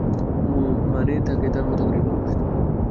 মানে, তাকে তার মতো করেই ভালোবাসতাম।